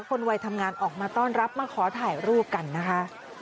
วัยทำงานออกมาต้อนรับมาขอถ่ายรูปกันนะคะ